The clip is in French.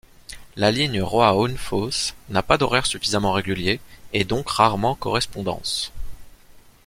La ligne Roa-Hønefoss n'a pas d'horaires suffisamment réguliers et donc rarement correspondance.